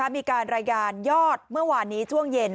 มีการรายงานยอดเมื่อวานนี้ช่วงเย็น